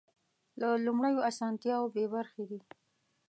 له لومړیو اسانتیاوو بې برخې دي.